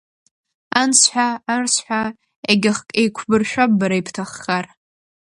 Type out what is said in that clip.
Анс ҳәа, арс ҳәа, егьахк еиқәбыршәап бара ибҭаххар.